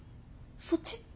そっち？